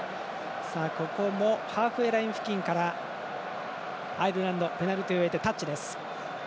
ここもハーフウェーライン付近からアイルランド、ペナルティを得てタッチです。